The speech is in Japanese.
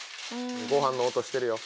ごはんの音してるよ。